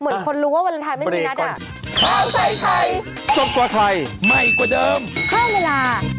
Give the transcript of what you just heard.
เหมือนคนรู้ว่าวันละท้ายไม่มีนัดอะ